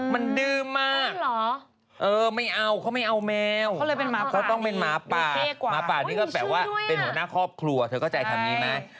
มันดื่มมากไม่เอาเขาไม่เอาแมวป่าเขาต้องเป็นหมาป่าหมาป่านี่ก็แปลว่าเป็นหัวหน้าครอบครัวเธอเข้าใจคำนี้ไหม